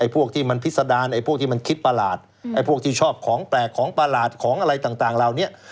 พวกที่มันพิษดารไอ้พวกที่มันคิดประหลาดไอ้พวกที่ชอบของแปลกของประหลาดของอะไรต่างเหล่านี้